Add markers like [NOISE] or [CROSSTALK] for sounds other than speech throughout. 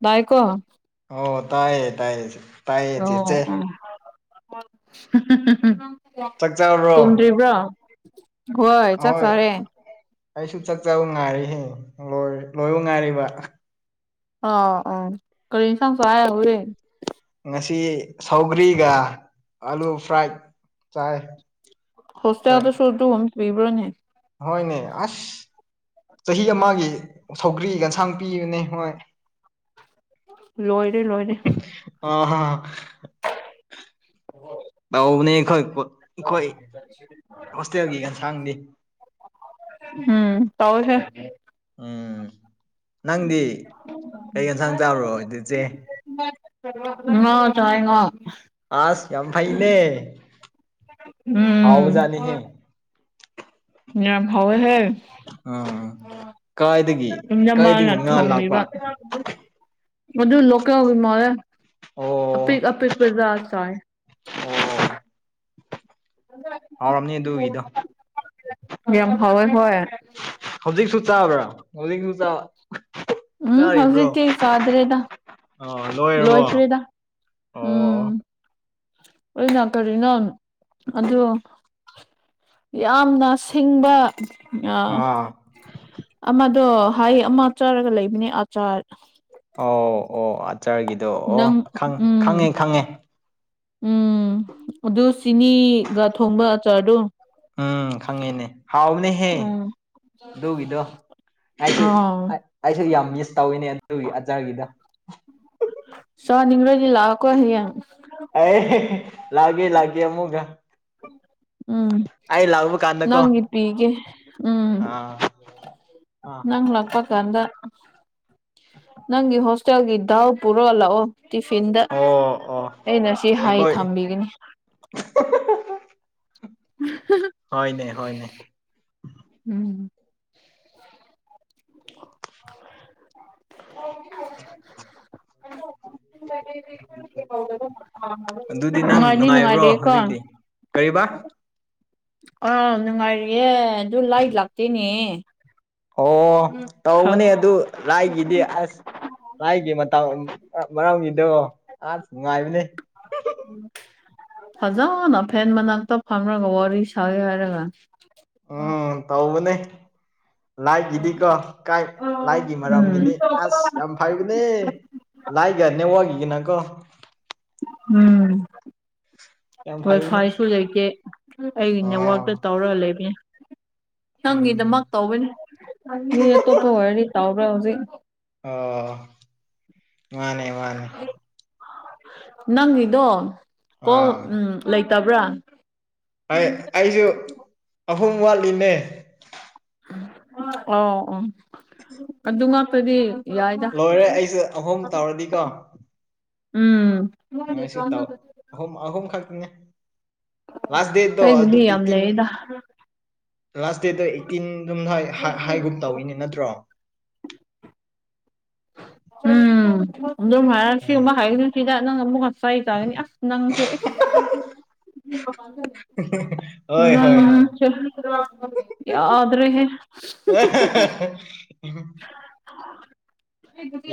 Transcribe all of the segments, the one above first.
ꯕꯥꯏꯀꯣ ꯑꯣ ꯇꯥꯏꯌꯦ ꯇꯥꯏꯌꯦ ꯇꯥꯏꯌꯦ ꯑꯣ ꯆꯦꯆꯦ ꯆꯥꯛ ꯆꯥꯔꯕ꯭ꯔꯣ ꯇꯨꯝꯗ꯭ꯔꯤꯕ꯭ꯔꯣ ꯍꯣꯏ ꯆꯥꯛ ꯑꯍꯣꯏ ꯆꯥꯔꯦ ꯑꯩꯁꯨ ꯆꯥꯛ ꯆꯕ ꯉꯥꯏꯔꯤꯍꯦ ꯂꯣꯏꯕꯨ ꯉꯥꯏꯔꯤꯕ ꯑ ꯑ ꯀꯔꯤ ꯑꯦꯟꯁꯥꯡ ꯆꯥꯏ ꯍꯧꯖꯤꯛ ꯉꯁꯤ ꯁꯧꯒ꯭ꯔꯤꯒ ꯑꯂꯨ ꯐ꯭ꯔꯥꯏꯠ ꯆꯥꯏ ꯍꯣꯏ ꯍꯣꯁꯇ‌ꯦꯜꯗ ꯁꯨꯔꯗꯨ ꯕꯤꯕ꯭ꯔꯣꯅ‌ꯦ ꯍꯣꯏꯅꯦ ꯑꯁ ꯆꯍꯤ ꯑꯃꯒꯤ ꯁꯧꯒ꯭ꯔꯤ ꯑꯦꯟꯁꯥꯡ ꯄꯤꯕꯅꯦ ꯍꯣꯏ ꯂꯣꯏꯔꯦ ꯂꯣꯏꯔꯦ ꯑ ꯇꯎꯅꯤ ꯈꯣꯏ ꯑꯩꯈꯣꯏ ꯍꯣꯁꯇꯦꯜꯒꯤ ꯑꯦꯟꯁꯥꯡꯗꯤ ꯎꯝ ꯇꯧꯍꯤꯍ‌ꯦ ꯎꯝ ꯅꯪꯗꯤ ꯀꯩ ꯌꯦꯟꯁꯥꯡ ꯆꯥꯕꯔꯣ ꯏꯗꯤꯆꯦ ꯉꯥ ꯆꯉꯥꯏ ꯌ‌ꯦꯉꯥ ꯑꯥꯁ ꯌꯥꯝ ꯍꯩꯅꯦ ꯎꯝ ꯍꯥꯎꯕꯖꯅꯤꯍꯦ ꯌꯥꯝ ꯍꯥꯎꯏ ꯍꯦ ꯑꯥ ꯀꯥꯏꯗꯒꯤ ꯏꯅꯝꯃꯅ ꯀꯥꯏꯗꯒꯤ ꯉꯥ ꯂꯥꯛꯄ ꯊꯣꯡꯕꯤꯕ ꯃꯗꯨ ꯂꯣꯀꯦꯜꯒꯤꯃꯔꯦ ꯑꯣ ꯑꯄꯤꯛ ꯑꯄꯤꯛꯄꯖꯥ ꯆꯥꯏ ꯑꯣ ꯍꯥꯎꯔꯝꯅꯤ ꯑꯗꯨꯒꯤꯗꯣ ꯌꯥꯝ ꯍꯥꯎꯏ ꯍꯣꯏ ꯍꯧꯖꯤꯛꯁꯨ ꯆꯥꯕ꯭ꯔꯥ ꯍꯧꯖꯤꯛꯁꯨ ꯆꯥꯕ ꯎꯝ ꯍꯧꯖꯤꯛꯇꯤ ꯆꯥꯗ꯭ꯔꯦꯗ ꯑꯣ ꯂꯣꯏꯔꯕꯣ ꯂꯣꯏꯈ꯭ꯔꯦꯗ ꯑꯣ ꯎꯝ ꯑꯩꯅ ꯀꯔꯤꯅꯣ ꯑꯗꯨ ꯌꯥꯝꯅ ꯁꯤꯡꯕ ꯑ ꯑꯥ ꯑꯃꯗꯣ ꯍꯩ ꯑꯃ ꯆꯥꯔꯒ ꯂꯩꯕꯅꯦ ꯑꯆꯥꯔ ꯑꯣ ꯑꯣ ꯑꯆꯥꯔꯒꯤꯗꯣ ꯑꯣ ꯅꯪ ꯎꯝ ꯈꯪꯉꯦ ꯈꯪꯉꯦ ꯎꯝ ꯑꯗꯨ ꯆꯤꯅꯤꯒ ꯊꯣꯡꯕ ꯑꯆꯥꯔꯗ‌ꫭ ꯎꯝ ꯈꯪꯉꯦꯅꯦ ꯍꯥꯎꯅꯦꯍꯦ ꯎꯝ ꯑꯗꯨꯒꯤꯗꯣ ꯑꯩꯁꯨ ꯑꯥ ꯑꯩꯁꯨ ꯌꯥꯝ ꯃꯤꯁ ꯇꯧꯋꯤꯅꯦ ꯑꯗꯨꯒꯤ ꯑꯆꯥꯔꯒꯤꯗ‌ꫭ ꯆꯥꯅꯤꯡꯉꯗꯤ ꯂꯥꯛꯀꯣ ꯍꯌꯦꯡ ꯑꯦ ꯂꯒꯦ ꯂꯒꯦ ꯑꯃꯨꯒ ꯎꯝ ꯅꯪꯒꯤ ꯄꯤꯒ‌ꯦ ꯎꯝ ꯑꯥ ꯑꯥ ꯅꯪ ꯂꯥꯛ ꯀ ꯀꯥꯟꯗ ꯅꯪꯒꯤ ꯍꯣꯁꯇꯦꯜꯒꯤ ꯗꯥꯎ ꯄꯨꯔꯣ ꯂꯥꯛꯑꫭ ꯇꯤꯐꯤꯟꯗ ꯑꯣ ꯑꯣ ꯑꯩꯅ ꯁꯤ ꯍꯥꯏ ꯊꯝꯕꯤꯒꯅꯤ ꯍ‌ꫭꯅꯦ ꯍ‌ꫭꯅꯦ ꯎꯝ [INAUDIBLE] ꯅꯨꯡꯉꯥꯏꯅꯤ ꯅꯨꯡꯉꯥꯏꯔꯦ ꯀꯣ ꯀꯩꯕꯥ ꯑꯥꫭꯅꯨꯡꯉꯥꯏꯔꯤꯑꯦ ꯑꯗꯨ ꯂꯥꯏ ꯂꯥꯛꯇꯦꯅꯦ ꯑꯣ ꯍ ꯇꯧꯕꯅꯦ ꯑꯗꯨ ꯂꯥꯏꯒꯤꯗꯤ ꯑꯁ ꯂꯥꯏꯒꯤ ꯃꯇꯧ ꯃꯔꯝꯒꯤꯗꯣ ꯑꯥꯁ ꯅꯨꯡꯉꯥꯏꯕꯅꯦ ꯐꯖꯕꯅ ꯐꯦꯟ ꯃꯅꯥꯛꯇ ꯐꯝꯃꯒ ꯋꯥꯔꯤ ꯁꯥꯒꯦ ꯍꯥꯏꯔꯒ ꯎꯝ ꯇꯧꯕꯅꯦ ꯂꯥꯏꯈꯤꯗꯤꯀꯣ ꯀꯥꯏ ꯂꯥꯏꯒꯤ ꯎꯝ ꯃꯔꯝꯒꯤꯅꯤ ꯑꯁ ꯌꯥꯝ ꯍꯩꯕꯅꯦ ꯂꯥꯏꯒ ꯅꯦꯠꯋꯥꯛꯀꯤꯒꯤꯅꯀꯣ ꯎꯝ ꯌꯥꯝ ꯐꯩꯕꯅꯦ ꯋꯥꯏꯐꯥꯏꯁꯨ ꯂꯩꯇꯦ ꯑꯩ ꯑꯥ ꯅꯦꯠꯋꯥꯛꯇ ꯇꯧꯔꯒ ꯂꯩꯕꯅꯦ ꯅꯪꯒꯤꯗꯃꯛ ꯎꯝ ꯇꯧꯕꯅꯦ ꯃꯤ ꯑꯇꯣꯞꯄ ꯑꫭꯏꯔꯗꯤ ꯇꯧꯔ‌ꫭꯏ ꯍꯧꯖꯤꯛ ꯑꯣ ꯃꯥꯅꯦ ꯃꯥꯅꯦ ꯅꯪꯒꯤꯗꯣ ꯀꯣ ꯑꯥ ꯎꯝ ꯂꯩꯇꯕ꯭ꯔꯥ ꯑꯩ ꯑꯩꯁꯨ ꯑꯍꯨꯝ ꯋꯥꯠꯂꯤꯅꯦ ꯑꯣ ꯑꯣ ꯑꯗꯨ ꯉꯥꯛꯇꯗꯤ ꯌꯥꯏꯗ ꯂꯣꯏꯔꯦ ꯑꯩꯁꯨ ꯑꯍꯨꯝ ꯇꯧꯔꯗꯤꯀꯣ ꯎꯝ ꯑꯩꯁꯨ ꯇꯧ ꯑꯍꯨꯝ ꯑꯍꯨꯝ ꯈꯛꯇꯅꯦ ꯂꯥꯁ ꯗꯦꯠꯇꯣ ꯑꯗꯨ ꯑꯩꯒꯤꯗꯤ ꯌꯥꯝ ꯑꯩꯇꯤꯟ ꯂꯩꯌꯦꯗ ꯂꯥꯁ ꯗꯦꯠꯇꯣ ꯑꯩꯠꯇꯤꯟ ꯑꯗꯨꯝ ꯍꯥꯏ ꯍꯥ ꯍꯥꯏꯒꯨꯟ ꯇꯧꯏꯅꯦ ꯅꯠꯇ꯭ꯔꯣ ꯎꯝ [UNINTELLIGIBLE] ꯑ ꯎꯝ ꯁꯤꯒꯨꯝꯕ ꯍꯥꯏꯒꯅꯨꯁꯤꯗ ꯅꯪ ꯑꯃꯨꯛꯀ ꯆꯩ ꯆꯥꯒꯅꯤ ꯑꯁ ꯅꯪꯁꯦ ꯏꯁ [UNINTELLIGIBLE] ꯍꯣꯏ ꯍꯣꯏ ꯍꯣꯏ [UNINTELLIGIBLE] ꯌꯥꯗ꯭ꯔꯦꯍꯦ [UNINTELLIGIBLE] [UNINTELLIGIBLE]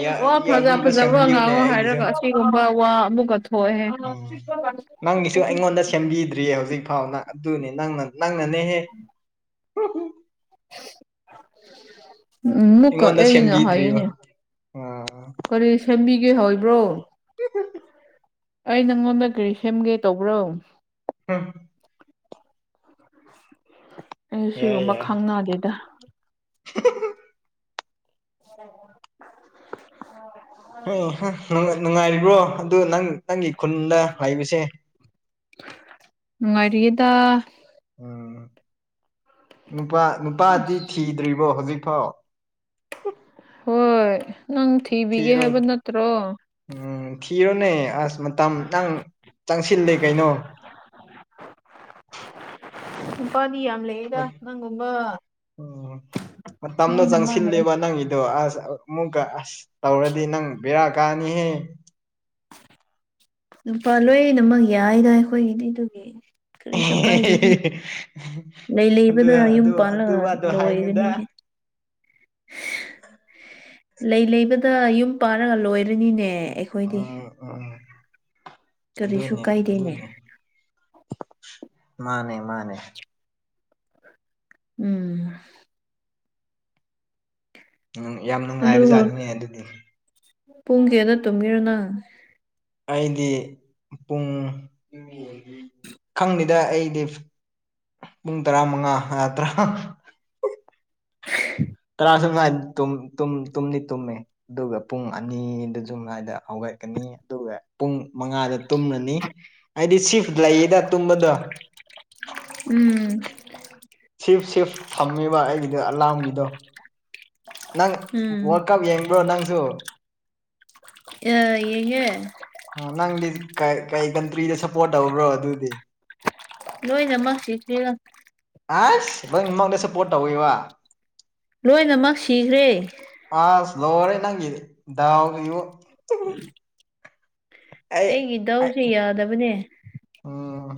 ꯌꯥ ꯋꯥ ꯐꯖ ꯌꯥꯕꯤꯕ ꯐꯖꯕ ꯁꯦꯝꯕꯤꯌꯨꯅꯦ ꯉꯥꯡꯉꯣ ꯑꯩꯒꯤꯁꯨ ꯍꯥꯏꯔꯒ ꯑꯁꯤꯒꯨꯝꯕ ꯋꯥ ꯑꯃꯨꯛꯀ ꯊꯣꯛꯑꯦꯍꯦ ꯎꯝ [UNINTELLIGIBLE] ꯅꯪꯒꯤꯁꯨ ꯑꯩꯉꯣꯟꯗ ꯁꯦꯝꯕꯤꯗ꯭ꯔꯤꯌꯦ ꯍꯧꯖꯤꯛ ꯐꯥꯎꯅ ꯑꯗꯨꯅꯦ ꯅꯪꯅ ꯅꯪꯅꯅꯦꯍꯦ [INAUDIBLE] [INAUDIBLE] ꯎꯝ ꯃꯨꯛꯀ ꯑꯩꯉꯣꯟꯗ ꯑꯩꯅ ꯁꯦꯝꯕꯤꯗ꯭ꯔꯤꯕ ꯍꯥꯏꯅꯦ ꯑꯥ ꯀꯔꯤ ꯁꯦꯝꯕꯤꯒꯦ ꯍꯥꯏꯕ꯭ꯔꯣ [UNINTELLIGIBLE] ꯑꯩ ꯅꯪꯉꯣꯟꯗ ꯀꯔꯤ ꯁꯦꯝꯒꯦ ꯇꯧꯕ꯭ꯔꯣ [UNINTELLIGIBLE] ꯑꯩ ꯌꯥꯏ ꯁꯤꯒꯨꯝꯕ ꯌꯥꯏ ꯈꯪꯅꯗꯦꯗ [INAUDIBLE] [INAUDIBLE] [UNINTELLIGIBLE] ꯅꯨꯡꯉꯥꯏꯔꯤꯕ꯭ꯔꯣ ꯑꯗꯨ ꯅꯪ ꯅꯪꯒꯤ ꯈꯨꯟꯗ ꯂꯩꯕꯁꯦ ꯅꯨꯡꯉꯥꯏꯔꯤꯗ ꯎꯝ ꯅꯨꯄꯥ ꯅꯨꯄꯥꯗꯤ ꯊꯤꯗ꯭ꯔꯤꯕꯣ ꯍꯧꯖꯤꯛꯐꯥꯎ ꯍꯣꯏ ꯅꯪ ꯊꯤꯕꯤꯒꯦ ꯍꯥꯏꯕ ꯊꯤꯔꯣ ꯅꯠꯇ꯭ꯔꯣ ꯎꯝ ꯊꯤꯔꯣꯅꯦ ꯑꯁ ꯃꯇꯝ ꯅꯪ ꯆꯪꯁꯤꯜꯂꯦ ꯀꯩꯅꯣ ꯅꯨꯄꯥꯗꯤ ꯌꯥꯝꯂ ꯃꯇꯝꯗꯣ ꯂꯣꯏꯅꯃꯛ ꯂꯩ ꯆꯪꯁꯤꯜꯂꯦꯕ ꯅꯪꯒꯤꯗꯣ ꯑꯁ ꯑꯃꯨꯛꯀ ꯑꯁ ꯇꯧꯔꯗꯤ ꯅꯪ ꯕꯦꯔꯥ ꯀꯥꯅꯤꯍꯦ ꯅꯨꯨꯄꯥ ꯂꯣꯏꯅꯃꯛ ꯌꯥꯏꯗ ꯑꯩꯈꯣꯏꯒꯤꯗꯤ ꯑꯥꯗꯨꯒꯤ ꯂꯩ ꯑꯗꯨ ꯂꯩꯕꯗ ꯌꯨꯝ ꯑꯗꯨ ꯑꯗꯨ ꯄꯥꯜꯂꯒ ꯋꯥꯗꯣ ꯍꯥꯏꯅꯨꯗ ꯂꯣꯏꯔꯅꯤ ꯂꯩ ꯂꯩꯕꯗ ꯌꯨꯝ ꯄꯥꯔꯒ ꯂꯣꯏꯔꯅꯤꯅꯦ ꯑꯩꯈꯣꯏꯗꯤ [INAUDIBLE] ꯀꯔꯤꯁꯨꯨ ꯑꯗꯨꯅꯦ ꯀꯥꯏꯗꯦꯅꯦ ꯑꯗꯨꯅꯦ ꯃꯥꯅꯦ ꯃꯥꯅꯦ ꯎꯝ ꯎꯝ ꯌꯥꯝ ꯑꯗꯨ ꯅꯨꯡꯉꯥꯏꯕ ꯖꯥꯅꯤꯅꯦ ꯑꯗꯨꯗꯤ ꯄꯨꯡ ꯀꯌꯥꯗ ꯇꯨꯝꯃꯤꯔ ꯅꯪ ꯑꯩꯗꯤ ꯄꯨꯡ ꯈꯪꯅꯤꯗ ꯑꯩꯗꯤ ꯄꯨꯡ ꯇꯔꯥ ꯃꯉꯥ ꯇꯔꯥ ꯇꯔꯥ ꯁꯝꯉꯥꯏ ꯇꯨꯝ ꯇꯨꯝ ꯇꯨꯝꯗꯤ ꯇꯨꯝꯃꯦ ꯑꯗꯨꯒ ꯄꯨꯡ ꯑꯅꯤꯗ ꯁꯨ ꯉꯥꯏꯗ ꯍꯧꯒꯠꯀꯅꯤ ꯑꯗꯨꯒ ꯄꯨꯡ ꯃꯉꯥꯗ ꯇꯨꯝꯂꯅꯤ ꯍꯥꯏꯗꯤ ꯁꯤꯐ ꯂꯩꯗ ꯇꯨꯝꯕꯗꯣ ꯎꯝ ꯁꯤꯐ ꯁꯤꯐ ꯊꯝꯃꯦꯕ ꯑꯩꯒꯤꯗꯣ ꯑꯂꯥꯝꯒꯤꯗꯣ [INAUDIBLE] ꯅꯪ ꯎꯝ ꯋꯥꯔꯜ ꯀꯞ ꯌꯦꯡꯕ꯭ꯔꯣ ꯅꯪꯁꯨ ꯑꯥ ꯌꯦꯡꯉꯦ ꯑꯥ ꯅꯪꯗꯤ ꯀꯩ ꯀꯩ ꯀꯟꯇ꯭ꯔꯤꯗ ꯁꯞꯄꯣꯔꯠ ꯇꯧꯕ꯭ꯔꯣ ꯑꯗꯨꯗꯤ ꯂꯣꯏꯅꯃꯛ ꯁꯤ [UNINTELLIGIBLE] ꯑꯁ ꯂꯣꯏꯅ ꯃꯪꯗ ꯁꯞꯄꯣꯔꯠ ꯇꯧꯋꯦꯕ ꯂꯣꯏꯅꯃꯛ ꯁꯤꯈ꯭ꯔꯦ ꯑꯁ ꯂ‌ꯣꯔꯦ ꯅꯪꯒꯤ ꯗꯥꯎꯒꯤꯖꯨ [UNINTELLIGIBLE] ꯑꯩ ꯑꯩꯒꯤ ꯗꯧꯖ‌ꯦ ꯌꯥꯗꯕꯅꯦ ꯎꯝ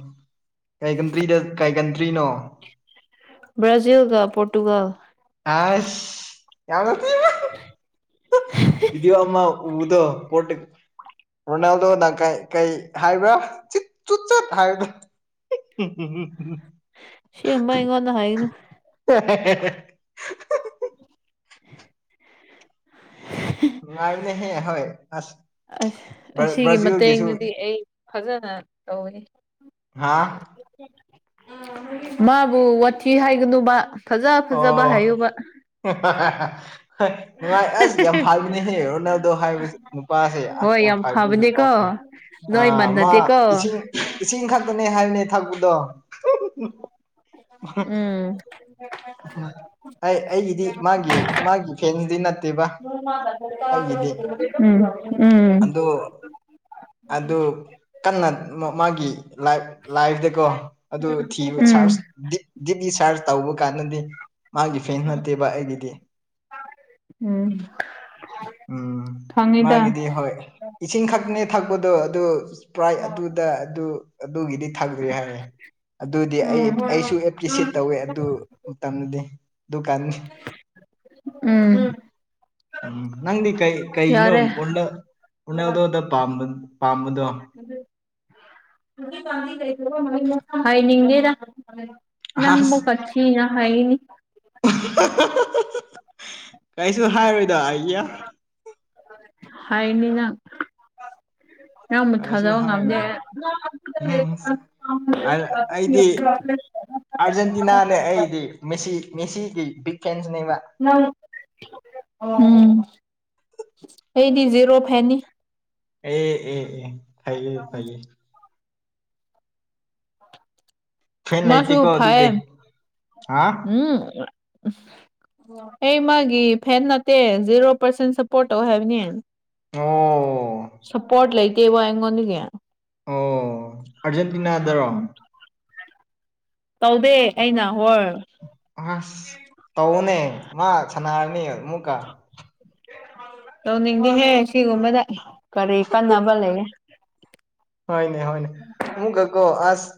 ꯀꯩ ꯀꯟꯇ꯭ꯔꯤꯗ ꯀꯩ ꯀꯟꯇ꯭ꯔꯤꯅꯣ ꯕꯥꯖꯤꯜꯒ ꯄꯣꯔꯇꯨꯒꯜ ꯑꯁ ꯌꯥꯎꯗ [UNINTELLIGIBLE] [INAUDIBLE] ꯕꯤꯗꯤꯌꯣ ꯑꯃ ꯎꯕꯗꯣ ꯄ‌ꯣꯇ ꯔꯣꯅꯥꯜꯗꯣꯅ ꯀ ꯀꯩ ꯍꯥꯏꯕ꯭ꯔꯥ ꯆꯤꯠ ꯆꯨꯠ ꯆꯠ ꯍꯥꯏꯕꯗꯣ [UNINTELLIGIBLE] [UNINTELLIGIBLE] ꯁꯤꯃ ꯏꯉꯣꯟꯅ ꯍꯥꯏꯅꯨ ꯍ‌ꯦ ꯍ‌ꯦ‌ꯍ‌ꯦ [UNINTELLIGIBLE] ꯅꯨꯉꯥꯏꯕꯅ‌ꯦꯍꯦ ꯍꯣꯏ ꯑꯁ ꯑꯁ ꯕ꯭ꯔ ꯑꯁꯤꯒꯤ ꯕ꯭ꯔꯥꯖꯤꯜꯒꯤꯁꯨ ꯃꯇꯦꯡꯗꯨꯗꯤ ꯑꯩ ꯐꯖꯅ ꯇꯧꯅꯤ ꯍꯥꯥ ꯃꯥꯕꯨ ꯋꯥꯊꯤ ꯍꯥꯏꯒꯅꯨꯕ ꯐꯖ ꯐꯖꯕ ꯍꯥꯏꯌꯨꯕ [UNINTELLIGIBLE] [UNINTELLIGIBLE] ꯍ ꯅꯨꯉꯥꯏ ꯑꯁ ꯌꯥꯝ ꯐꯥꯢꯕꯅꯤꯍꯦ ꯔꯣꯅꯥꯜꯗꯣ ꯍꯥꯏꯕꯁꯨ ꯅꯨꯄꯥꯁꯦ ꯑꯁ ꯍꯣꯏ ꯌꯥꯝ ꯐꯥꯢꯕ ꯅꯨꯄꯥꯅꯤ ꯐꯕꯅꯦꯀꯣ ꯅꯣꯏ ꯑ ꯃꯥ ꯃꯥꯟꯅꯗꯦꯀꯣ ꯏꯁꯤꯡ ꯏꯁꯤꯡ ꯈꯛꯇꯅꯦ ꯍꯥꯏꯕꯅꯦ ꯊꯛꯄꯗꯣ ꯎꯝ ꯎ ꯑꯩ ꯑꯩꯒꯤꯗꯤ ꯃꯥꯒꯤ ꯃꯥꯒꯤ ꯐꯦꯟꯗꯤ ꯅꯠ [UNINTELLIGIBLE] [UNINTELLIGIBLE] ꯎꯝ ꯎꯝ ꯑꯗꯣ ꯑꯗꯨ ꯀꯟꯅ ꯃꯥꯒꯤ ꯂꯥꯏꯐꯇꯀꯣ ꯑꯗꯨ ꯊꯤꯕ ꯎꯝ ꯁꯔꯖ ꯗꯤꯞ ꯗꯤꯄꯤ ꯁꯔꯖ ꯇꯧꯕ ꯀꯥꯟꯗ‌ꯗꯤ ꯃꯥꯒꯤ ꯐꯦꯟ ꯅꯠꯇꯦꯕ ꯑꯩꯒꯤꯗꯤ ꯎꯝ [UNINTELLIGIBLE] ꯎꯝ ꯈꯪꯉꯤꯗ ꯃꯥꯒꯤꯗꯤ ꯍ‌ꯣꯏ ꯏꯁꯤꯡ ꯈꯛꯅꯦ ꯊꯛꯄꯗꯣ ꯑꯗꯨ ꯄ꯭ꯔꯥꯏ ꯑꯗꯨꯗ ꯑꯗꯨ ꯑꯗꯨꯒꯤꯗꯤ ꯊꯗ꯭ꯔꯤ ꯍꯥꯏꯌꯦ ꯑꯗꯨꯗꯤ ꯑꯩ ꯎꯝ ꯑꯩꯁꯨ ꯑꯦꯄ꯭ꯔꯤꯁꯦꯠ ꯇꯧꯋꯦ ꯑꯗꯨ ꯃꯇꯝꯗꯗꯤ ꯑꯗꯨꯀꯥꯟ ꯎꯝ ꯎꯝ ꯅꯪꯗꯤ ꯀꯩ ꯀꯩꯩꯅꯣ ꯌꯥꯔꯦ [UNINTELLIGIBLE] ꯔꯣꯅꯜꯗꯣꯗ ꯄꯥꯝꯕ ꯄꯥꯝꯕꯗꯣ [UNINTELLIGIBLE] [UNINTELLIGIBLE] ꯍꯥꯏꯅꯤꯡꯗꯦꯗ ꯑꯁ ꯅꯪꯕꯧ ꯀꯊꯤꯔꯥ ꯍꯥꯏꯒꯅꯤ [UNINTELLIGIBLE] [UNINTELLIGIBLE] ꯀꯩꯁꯨ ꯍꯥꯏꯔꯣꯏꯗ ꯑꯩꯌꯥ ꯍꯥꯏꯅꯤ ꯅꯪ ꯅꯪꯕꯨ ꯀꯩꯁꯨ ꯊꯥꯖꯕ ꯉꯝꯗꯦ ꯍꯥꯏꯔꯣꯏ ꯑꯩ ꯎꯝ ꯑ- ꯑꯩꯗꯤ [UNINTELLIGIBLE] ꯑꯥꯔꯖꯦꯟꯇꯤꯅꯥꯅꯦ ꯑꯩꯗꯤ ꯃ‌ꯦꯁꯤ ꯃꯦꯁꯤꯒꯤ ꯕꯤꯛ ꯐ‌ꯦꯟꯁꯅꯤꯕ ꯅꯪ ꯎꯝ ꯑꯩꯗꯤ ꯖꯦꯔꯣ ꯐꯦꯟꯅꯤ ꯑꯦ ꯑꯦ ꯑꯦ ꯐꯩꯌꯦ ꯐꯩꯌꯦ ꯐꯦꯟ ꯃꯥꯁꯨ ꯂꯩꯇꯦꯀꯣ ꯐꯥꯏꯌ‌ꯦ ꯑꯗꯨꯗꯤ ꯍꯥ ꯎꯝ ꯑꯩ ꯃꯥꯒꯤ ꯐꯦꯟ ꯅꯠꯇꯦ ꯖꯦꯔꯣ ꯄꯥꯔꯁꯦꯟ ꯁꯞꯄꯣꯔꯠ ꯇꯧ ꯍꯥꯏꯕꯅꯦ ꯑꯣ ꯁꯄꯣꯠ ꯂꯩꯇ‌ꯦꯕ ꯑꯩꯉꯣꯟꯗꯒꯤ ꯑꯣ ꯑꯥꯔꯖꯦꯟꯇꯤꯅꯥꯗꯔꯣ ꯇꯧꯗꯦ ꯑꯩꯅ ꯍꯣꯔ ꯑꯁ ꯇꯧꯋ‌ꯣꯅꯦ ꯃꯥ ꯁꯅꯥꯔꯅꯤ ꯑꯃꯨꯛꯀ ꯇꯧꯅꯤꯡꯉꯍꯦ ꯁꯤꯒꯨꯝꯕꯗ ꯀꯔꯤ ꯀꯟꯅꯕ ꯂꯩꯌꯦ ꯍꯣꯏꯅꯦ ꯍꯣꯏꯅꯦ ꯑꯃꯨꯛꯀꯛꯀꯣ ꯑꯁ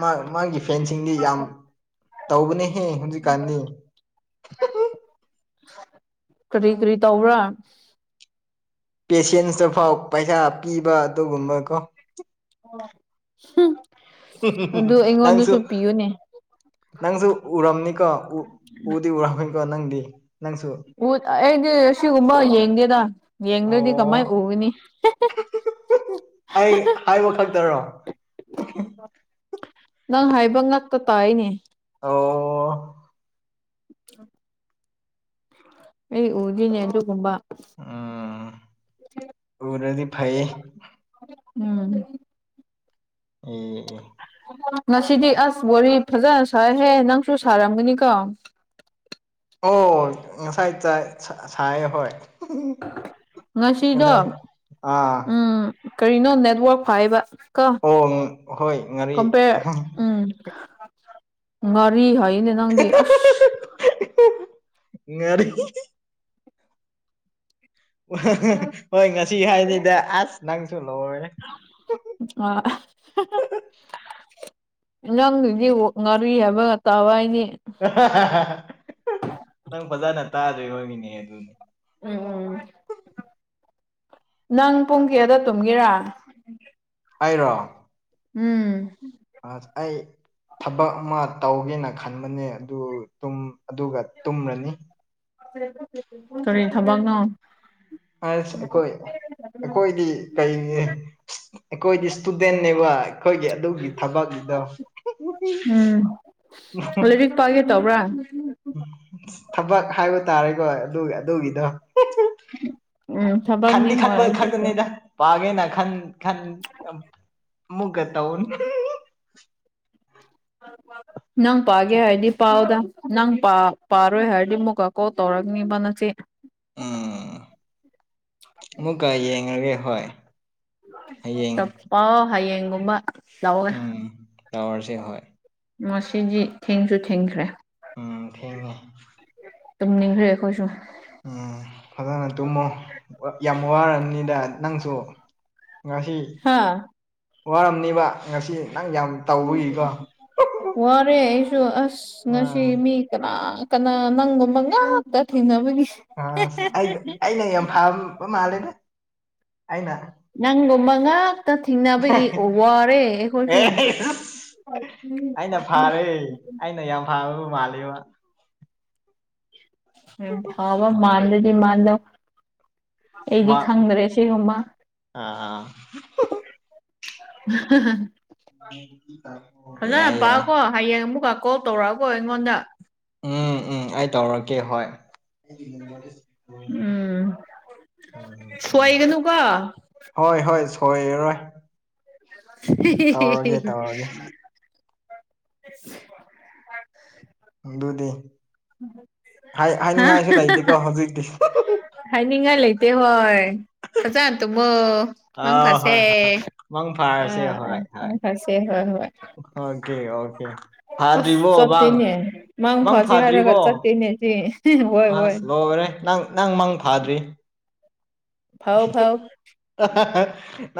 ꯃꯥ ꯃꯥꯒꯤ ꯐꯦꯟꯁꯤꯡꯗꯤ ꯌꯥꯝ ꯇꯧꯕꯅꯦ ꯍꯦ ꯍꯧꯖꯤ ꯀꯥꯟꯅꯤ ꯀꯔꯤ ꯀꯔꯤ ꯇꯧꯕ꯭ꯔꯥ ꯄꯦꯁꯦꯟꯁꯇꯐꯥꯎ ꯄꯩꯁꯥ ꯄꯤꯕ ꯑꯗꯨꯒꯨꯝꯕ ꯀꯣ ꯑꯗꯨ ꯑꯩꯉꯣꯟꯗꯁꯨ ꯅꯪꯁꯨ ꯄꯤꯌꯨꯅꯦ ꯅꯪꯁꯨ ꯎꯔꯝꯅꯤꯀꯣ ꯎꯗꯤ ꯎꯔꯝꯃꯅꯤꯀꯣ ꯅꯪꯗꯤ ꯅꯪꯁꯨ ꯎ ꯑꯩꯗꯤ ꯑꯁꯤꯒꯨꯝꯕ ꯌꯦꯡꯗꯦꯗ ꯌꯦꯡꯗꯣꯏꯗꯤ ꯀꯃꯥꯏꯅ ꯑꯣ ꯎꯒꯅꯤ ꯑꯩ ꯍꯥꯏꯕ ꯈꯛꯇꯔꯣ ꯅꯪ ꯍꯥꯏꯕ ꯉꯥꯛꯇ ꯇꯥꯏꯅꯦ ꯑꯣ ꯎꯝ [UNINTELLIGIBLE] ꯑꯩ ꯎꯗꯤꯅꯦꯗꯨꯒꯨꯝꯕ ꯎꯝ ꯎꯔꯗꯤ ꯐꯩꯌꯦ ꯎꯝ ꯑꯝ ꯉꯁꯤꯗꯤ ꯑꯁ ꯋꯥꯔꯤꯕ ꯐꯖꯅ ꯁꯥꯏꯍꯦ ꯅꯪꯁꯨ ꯁꯥꯔꯝꯒꯅꯤꯀꯣ ꯑꯣ ꯉꯁꯥꯏ ꯆꯥ ꯁꯥꯏ ꯍꯣꯏ ꯉꯁꯤꯗꯣ ꯉꯁꯥꯏ ꯑꯥ ꯎꯝ ꯀꯔꯤꯅꯣ ꯅꯦꯠꯋꯔꯛ ꯐꯥꯏꯕ ꯀ ꯑꯣ ꯍꯣꯏ ꯉꯥꯔꯤ ꯀꯝꯄꯦꯔ ꯎꯝ ꯉꯔꯤ ꯍꯅꯦ ꯅꯪꯗꯤ ꯑꯁ [UNINTELLIGIBLE] ꯉ ꯉꯔꯤ [UNINTELLIGIBLE] ꯍꯣꯏ ꯉꯁꯤ ꯍꯥꯏꯁꯤꯗ ꯑꯁ ꯅꯪꯁꯨ ꯂꯧꯔꯦ ꯑ [UNINTELLIGIBLE] ꯅꯪꯗꯨꯗꯤ ꯉꯥꯔꯤ ꯍꯥꯏꯕ ꯇꯥꯋꯥꯏꯅꯦ [UNINTELLIGIBLE] ꯅꯪ ꯐꯖꯅ ꯇꯥꯗꯣꯏ ꯍꯣꯒꯤꯅꯦ ꯑꯗꯨꯅꯦ [UNINTELLIGIBLE] ꯎꯝ ꯅꯪ ꯄꯨꯡ ꯀꯌꯥꯗ ꯇꯨꯝꯒꯦꯔꯥ ꯑꯩꯔꯣ ꯎꯝ ꯑꯁ ꯑꯩ ꯊꯕꯛ ꯑꯃ ꯇꯧꯒꯦꯅ ꯈꯟꯕꯅꯦ ꯑꯗꯨ ꯇꯨꯝ ꯑꯗꯨꯒ ꯇꯨꯝꯔꯅꯤ ꯀꯔꯤ ꯊꯕꯛꯅꯣ ꯍꯥꯏꯁ ꯑꯩꯈꯣꯏ ꯑꯩꯈꯣꯏꯗꯤ ꯀꯩꯅꯦ ꯑꯩꯈꯣꯏꯗꯤ ꯏꯁꯇꯨꯗꯦꯟꯅꯕ ꯑꯩꯈꯣꯏꯒꯤ ꯑꯗꯨꯒꯤ ꯊꯕꯛꯅꯤꯗꯣ ꯎꯝ ꯂꯩꯔꯤꯛꯄꯒꯦ ꯇꯧꯕ꯭ꯔꯥ ꯊꯕꯛ ꯍꯥꯏꯕ ꯇꯥꯔꯦꯀꯣ ꯑꯗꯨ ꯑꯗꯨꯒꯤꯗꯣ [UNINTELLIGIBLE] ꯎꯝ ꯈꯥꯟꯗꯤ ꯊꯕꯛꯅꯤ ꯈꯥꯛꯄ ꯍꯣꯏ ꯑꯗꯨꯁꯨ ꯈꯥꯛꯇꯅꯤꯗ ꯄꯥꯒꯦꯅ ꯈꯟ ꯈꯟ ꯑꯃꯨꯛꯀ ꯇꯧꯅꯤ [UNINTELLIGIBLE] ꯅꯪ ꯄꯥꯒꯦ ꯍꯥꯏꯗꯤ ꯄꯥꯎꯑꯣꯗ ꯅꯪ ꯄꯥꯔꯣꯏ ꯍꯥꯏꯔꯗꯤ ꯑꯃꯨꯛꯀ ꯀꯣꯜ ꯇꯧꯔꯛꯅꯤꯕ ꯅꯆꯦ ꯎꯝ ꯑꯃꯨꯛꯀ ꯌꯦꯡꯉꯒꯦ ꯍꯣꯏ ꯍꯌꯦꯡ ꯆꯄ ꯍꯌꯦꯡꯒꯨꯝꯕ ꯂꯧꯒ ꯎꯝ ꯇꯧꯔꯁꯦ ꯍꯣꯏ ꯃꯁꯤꯗꯤ ꯊꯦꯡꯁꯨ ꯊꯦꯡꯈ꯭ꯔꯦ ꯎꯝ ꯊꯦꯡꯉꯦ ꯇꯨꯝ ꯅꯤꯡꯈ꯭ꯔꯦ ꯑꯩꯈꯣꯏꯁꯨ ꯎꯝ ꯐꯖꯅ ꯇꯨꯝꯃꯣ ꯌꯥꯝ ꯋꯥꯔꯅꯤꯗ ꯅꯪꯁꯨ ꯉꯁꯤ ꯍꯥꯥ ꯋꯥꯔꯝꯅꯤꯕ ꯉꯁꯤ ꯅꯪ ꯌꯥꯝ ꯇꯧꯕꯏꯀꯣ ꯋꯥꯔꯦ ꯑꯩꯁꯨ ꯑꯁ ꯉꯁꯤ ꯑꯥ ꯃꯤ ꯀꯅꯥ ꯀꯅꯥ ꯅꯪꯒꯨꯝꯕ ꯉꯥꯛꯇ ꯊꯦꯡꯅꯕꯒꯤ ꯑꯁ ꯑꯩ ꯑꯩꯅ ꯌꯥꯝ ꯍꯟꯕ ꯃꯥꯜꯂꯦꯅꯦ ꯑꯩꯅ ꯅꯪꯒꯨꯝꯕ ꯉꯥꯛꯇ ꯊꯦꯡꯅꯕꯒꯤ ꯋꯥꯔꯦ ꯑꯩꯈꯣꯏꯁꯨ ꯑꯦꯁ ꯑꯩꯅ ꯐꯥꯔꯦ ꯑꯩꯅ ꯌꯥꯝ ꯐꯥꯕꯕꯨ ꯃꯥꯜꯂꯦꯕ ꯎꯝ ꯐꯕ ꯃꯥꯟꯗꯗꯤ ꯃꯥꯟꯗꯧ ꯑꯩꯗꯤ ꯈꯪꯗ꯭ꯔꯦ ꯁꯤꯒꯨꯝꯕ ꯑ ꯑ ꯌꯥꯏ ꯐꯖꯅ ꯌꯥꯏ ꯄꯥꯎꯀꯣ ꯍꯌꯦꯡ ꯑꯃꯨꯛꯀ ꯀꯣꯜ ꯇꯧꯔꯛꯎꯀꯣ ꯑꯩꯉꯣꯟꯗ ꯎꯝ ꯎꯝ ꯑꯩ ꯇꯧꯔꯛꯀꯦ ꯍꯣꯏ ꯎꯝ ꯎꯝ ꯎꯝ ꯁꯣꯏꯒꯅꯨ ꯀꯣ ꯍꯣꯏ ꯍꯣꯏ ꯁꯣꯏꯔꯔꯣꯏ ꯇꯧꯔꯒꯦ ꯇꯧꯔꯒꯦ [UNINTELLIGIBLE] ꯑꯗꯨꯗꯤ ꯍꯥꯏ ꯍꯥ ꯍꯥꯏꯅꯤꯡꯉꯥꯏꯁꯨ ꯂꯩꯇꯦꯀꯣ ꯍꯧꯖꯤꯛꯇꯤ ꯍꯥꯏꯅꯤꯡꯉꯥꯏ ꯂꯩꯇꯦ ꯍꯣꯏ ꯐꯖꯅ ꯇꯨꯝꯃꯣ ꯃꯪ ꯑꯥ ꯐꯥꯥꯁꯦ ꯍꯣꯏ ꯍꯣꯏ ꯃꯪ ꯑ‌ ꯐꯥꯔꯁꯦ ꯑ ꯍꯣꯏ ꯍꯣꯏ ꯃꯪ ꯐꯥꯥꯁꯦ ꯍꯣꯏ ꯍꯣꯏ ꯑꯣꯀꯦ ꯑꯣꯛ ꯑꯣꯀꯦ ꯑꯁ ꯐꯥꯗ꯭ꯔꯤꯕꯣ ꯃꯪ ꯆꯠꯇꯦꯅꯦ ꯃꯪ ꯐꯁꯤ ꯍꯥꯏꯔꯒ ꯐꯥꯗ꯭ꯔꯤꯕꯣ ꯆꯠꯇꯦꯅꯦ ꯁꯤ ꯍꯣꯏ ꯍꯣꯏ ꯑꯁ ꯂꯣꯏꯔꯦ ꯅꯪ ꯅꯪ ꯃꯪ ꯐꯥꯗ꯭ꯔꯤ ꯐꯧ ꯐꯧ [UNINTELLIGIBLE]